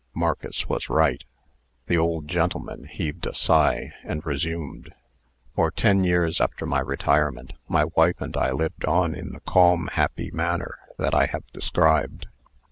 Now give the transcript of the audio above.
Marcus was right. The old gentleman heaved a sigh, and resumed: "For ten years after my retirement, my wife and I lived on in the calm, happy manner that I have described.